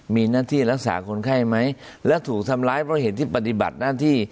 มีหน้าที่รักษาคนไข้ไหมและถูกทำร้ายเพราะเหตุที่ปฏิบัติหน้าที่